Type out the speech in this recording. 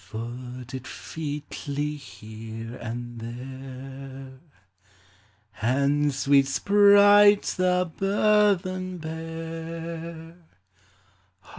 Foot it featly here and there ; And, sweet sprites, the burthen bear.